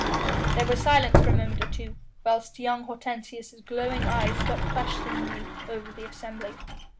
There was silence for a moment or two, whilst young Hortensius' glowing eyes swept questioningly over the assembly.